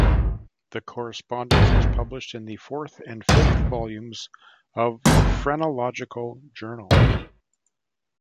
The correspondence was published in the fourth and fifth volumes of the "Phrenological Journal".